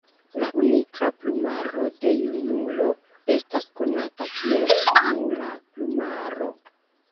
La unika plumaro de junulo estas konata kiel junula plumaro.